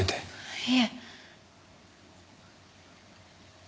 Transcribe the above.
いえ。